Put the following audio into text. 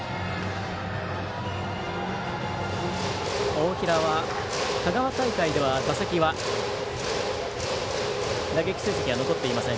大平は香川大会では打撃成績は残っていません。